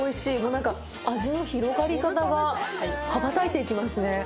なんか味の広がり方が羽ばたいていきますね。